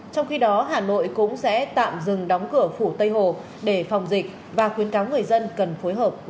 trong khi đó hà nội cũng sẽ tạm dừng đóng cửa phủ tây hồ để phòng dịch và khuyến cáo người dân cần phối hợp